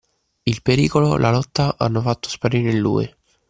Il pericolo, la lotta hanno fatto sparire in lui.